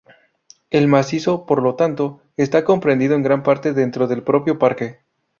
El macizo, por lo tanto, está comprendido en gran parte dentro del propio parque.